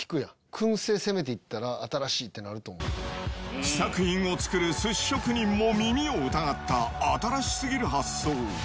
くん製、攻めていったら新しいっ試作品を作る寿司職人も耳を疑った、新しすぎる発想。